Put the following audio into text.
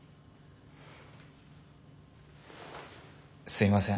すいません。